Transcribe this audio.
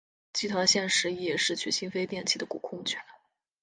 集团现时亦失去新飞电器的控股权。